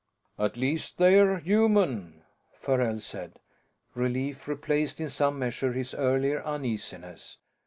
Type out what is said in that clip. "At least they're human," Farrell said. Relief replaced in some measure his earlier uneasiness.